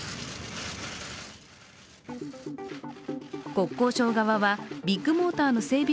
国交省側はビッグモーターの整備